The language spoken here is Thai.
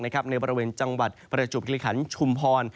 ในบริเวณจังหวัดประจวบคิริขันชุมพร